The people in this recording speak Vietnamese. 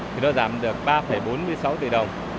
thì nó giảm được ba bốn mươi sáu tỷ đồng